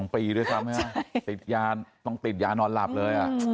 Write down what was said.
๒ปีด้วยซ้ำติดยานอนหลับเลย